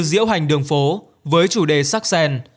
diễu hành đường phố với chủ đề sắc sen